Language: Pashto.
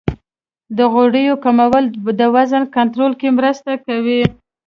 د غوړیو کمول د وزن کنټرول کې مرسته کوي.